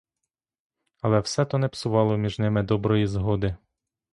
Але все то не псувало між ними доброї згоди.